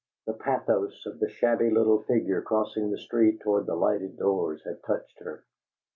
The pathos of the shabby little figure crossing the street toward the lighted doors had touched her.